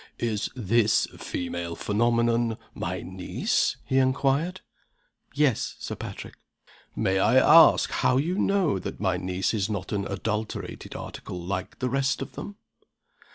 "Is this female phenomenon my niece?" he inquired. "Yes, Sir Patrick." "May I ask how you know that my niece is not an adulterated article, like the rest of them?"